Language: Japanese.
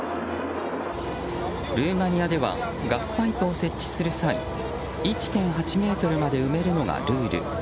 ルーマニアではガスパイプを設置する際１．８ｍまで埋めるのがルール。